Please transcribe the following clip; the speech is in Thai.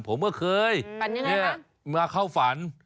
ผมเมื่อเคยนี่มาเข้าฝัน